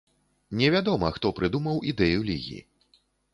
Невядома, хто прыдумаў ідэю лігі.